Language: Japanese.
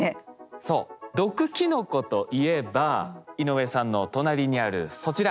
そう毒キノコといえば井上さんの隣にあるそちら。